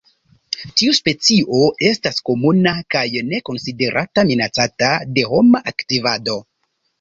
Tiu specio estas komuna kaj ne konsiderata minacata de homa aktivado.